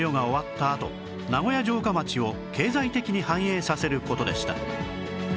あと名古屋城下町を経済的に繁栄させる事でした